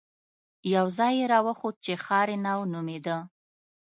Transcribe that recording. يو ځاى يې راوښود چې ښارنو نومېده.